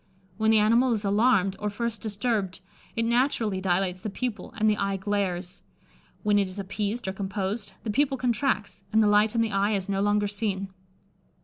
When the animal is alarmed, or first disturbed, it naturally dilates the pupil, and the eye glares; when it is appeased or composed, the pupil contracts, and the light in the eye is no longer seen.